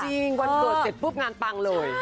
วันเกิดเสร็จปุ๊บงานปังเลย